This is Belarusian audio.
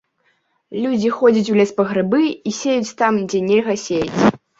Людзі ходзяць у лес па грыбы і сеюць там, дзе нельга сеяць.